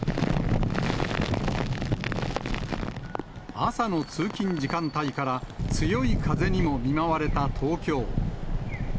朝の通勤時間帯から、強い風にも見舞われた東京。